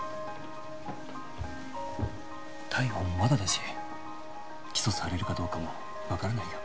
逮捕もまだだし起訴されるかどうかも分からないよ